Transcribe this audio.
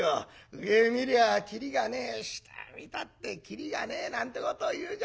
上見りゃ切りがねえ下見たって切りがねえなんてことを言うじゃねえか。